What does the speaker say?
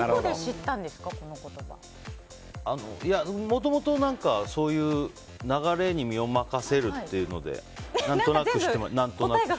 もともと、そういう流れに身を任せるっていうので何となく、知ってました。